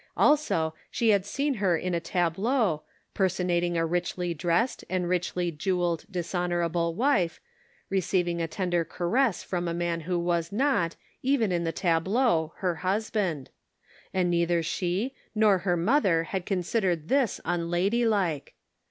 Also, she had seen her in a tableau, personating a richly dressed and richly jeweled dishonorable wife, receiving a tender caress from a man who was not, even in the tableau, her husband ; and neither she nor her mother had considered this unladylike